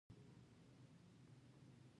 بوشونګانو بازار ته د خرڅلاو لپاره هم تولیدول